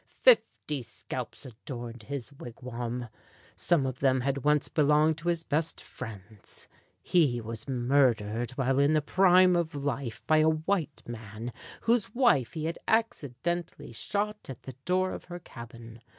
Fifty scalps adorned his wigwam. Some of them had once belonged to his best friends. He was murdered while in the prime of life by a white man whose wife he had accidentally shot at the door of her cabin.